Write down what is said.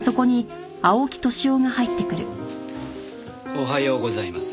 おはようございます。